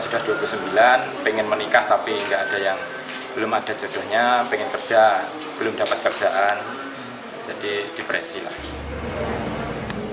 tapi gak ada yang belum ada jodohnya pengen kerja belum dapat kerjaan jadi depresi lagi